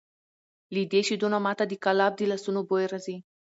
له دې شیدو نه ما ته د کلاب د لاسونو بوی راځي!